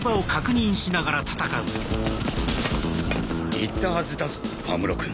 言ったはずだぞ安室君。